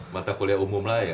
mata kuliah umum lah ya